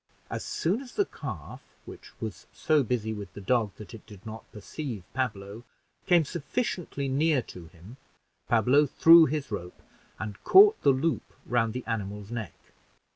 As soon as the calf, which was so busy with the dog that it did not perceive Pablo, came sufficiently near to him, Pablo threw his rope, and caught the loop round the animal's neck.